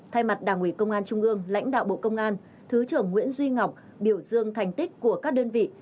thay mặt đảng ủy công an trung ương lãnh đạo bộ công an thứ trưởng nguyễn duy ngọc biểu dương thành tích của các đơn vị